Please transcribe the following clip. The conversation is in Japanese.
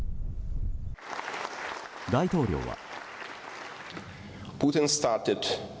大統領は。